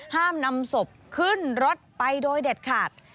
ห้ามนำศพขึ้นรถไปโดยเด็ดขาด